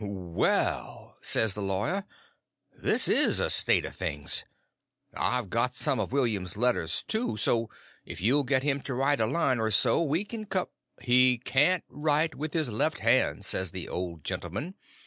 "Well!" says the lawyer, "this is a state of things. I've got some of William's letters, too; so if you'll get him to write a line or so we can com—" "He can't write with his left hand," says the old gentleman.